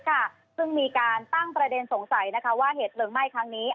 ซึ่งมีการตั้งประเด็นสงสัยว่าเหตุเพลิงไหม้ครั้งนี้